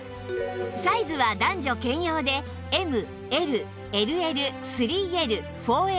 サイズは男女兼用で ＭＬＬＬ３Ｌ４Ｌ５Ｌ の６種類